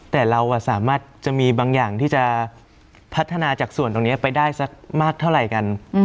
แต่เราสามารถจะมีบางอย่างที่จะพัฒนาจากส่วนตรงนี้ไปได้สักมากเท่าไหร่กัน